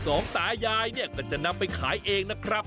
สองตายายเนี่ยก็จะนำไปขายเองนะครับ